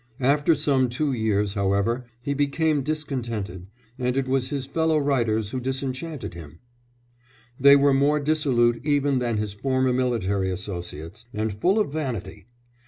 After some two years, however, he became discontented, and it was his fellow writers who disenchanted him; they were more dissolute even than his former military associates, and full of vanity.